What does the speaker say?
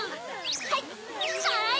はい！